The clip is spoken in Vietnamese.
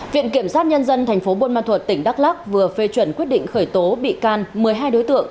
viện kiểm soát nhân dân tp bôn ma thuật tỉnh đắk lắc vừa phê chuẩn quyết định khởi tố bị can một mươi hai đối tượng